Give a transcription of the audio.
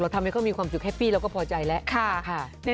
ทำให้เขามีความสุขแฮปปี้เราก็พอใจแล้ว